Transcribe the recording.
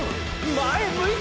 前向いて！！